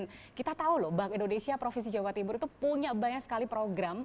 dan kita tahu loh bank indonesia provinsi jawa timur itu punya banyak sekali program